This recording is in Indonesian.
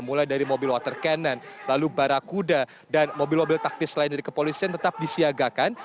mulai dari mobil water cannon lalu barakuda dan mobil mobil taktis lain dari kepolisian tetap disiagakan